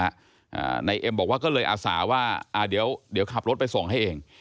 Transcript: อ่านายเอ็มบอกว่าก็เลยอาสาว่าอ่าเดี๋ยวเดี๋ยวขับรถไปส่งให้เอง